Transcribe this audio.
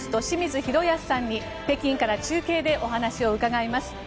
清水宏保さんに北京から中継でお話を伺います。